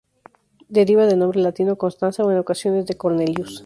Deriva del nombre latino Constanza o, en ocasiones, de Cornelius.